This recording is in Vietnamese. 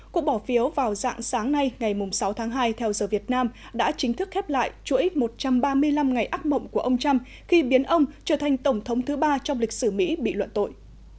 cuộc bỏ phiếu vào dạng sáng nay ngày sáu tháng hai theo giờ việt nam đã chính thức khép lại chuỗi một trăm ba mươi năm ngày ác mộng của ông trump khi biến ông trở thành tổng thống thứ ba trong lịch sử mỹ bị luận tội